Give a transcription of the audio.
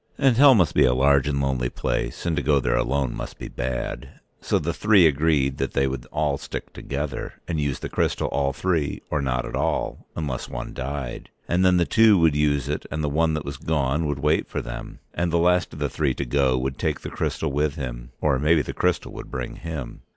And Hell must be a large and lonely place, and to go there alone must be bad, and so the three agreed that they would all stick together, and use the crystal all three or not at all, unless one died, and then the two would use it and the one that was gone would wait for them. And the last of the three to go would take the crystal with him, or maybe the crystal would bring him.